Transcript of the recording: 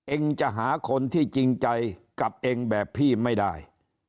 เองจะหาคนที่จริงใจกับเองแบบพี่ไม่ได้